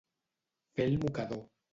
Fer el mocador.